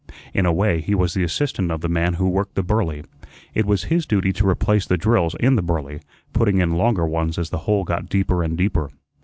In a way he was the assistant of the man who worked the Burly. It was his duty to replace the drills in the Burly, putting in longer ones as the hole got deeper and deeper.